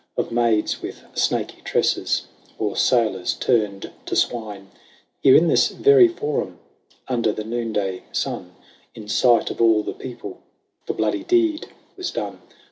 Of maids with snaky tresses, or sailors turned to swine. Here, in this very Forum, under the noonday sun, In sight of all the people, the bloody deed was done.